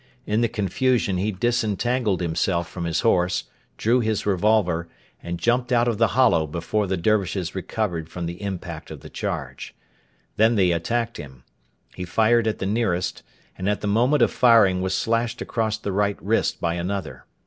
In the confusion he disentangled himself from his horse, drew his revolver, and jumped out of the hollow before the Dervishes recoved from the impact of the charge. Then they attacked him. He fired at the nearest, and at the moment of firing was slashed across the right wrist by another.